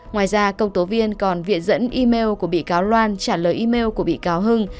ngoài ra công tố viên còn viện dẫn email của bị cáo loan trả lời email của bị cáo hưng